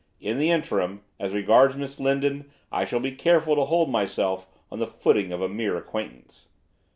In the interim, as regards Miss Lindon I shall be careful to hold myself on the footing of a mere acquaintance.